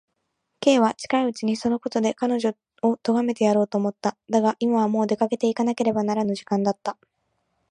Ｋ は近いうちにそのことで彼女をとがめてやろうと思った。だが、今はもう出かけていかねばならぬ時間だった。